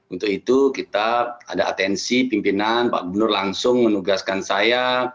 untuk itu kita ada atensi pimpinan pak gubernur langsung menugaskan saya